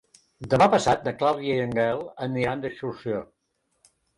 Demà passat na Clàudia i en Gaël aniran d'excursió.